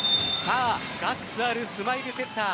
ガッツあるスマイルセッター。